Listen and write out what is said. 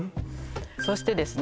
そしてですね